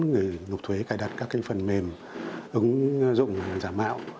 người nộp thuế cài đặt các phần mềm ứng dụng giả mạo